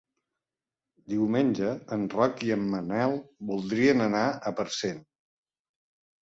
Diumenge en Roc i en Manel voldrien anar a Parcent.